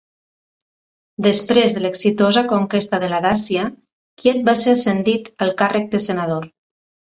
Després de l'exitosa conquesta de la Dàcia, Quiet va ser ascendit al càrrec de senador.